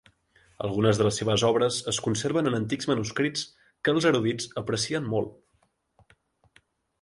Algunes de les seves obres es conserven en antics manuscrits que els erudits aprecien molt.